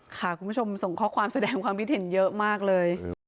คุณผู้ชมส่งข้อความแสดงความคิดเห็นเยอะมากเลย